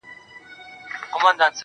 چي ته بېلېږې له خپل كوره څخه.